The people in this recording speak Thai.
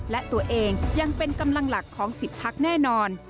และตัวเองยังเป็นกำลังหลักของ๑๐พักแน่นอน